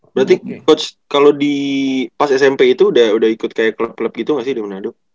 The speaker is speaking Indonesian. berarti coach kalau di pas smp itu udah ikut kayak klub klub gitu gak sih di manado